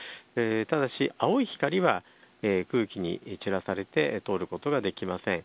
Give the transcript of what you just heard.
ただし青い光は空気に散らされて通ることができません。